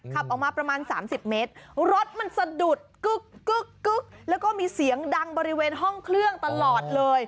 ขับออกมาประมาณ๓๐เมตรรถมันสะดุดกึ๊กแล้วก็มีเสียงดังบริเวณห้องเครื่องตลอดเลย